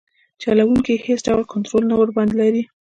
چلوونکي یې هیڅ ډول کنټرول نه ورباندې لري.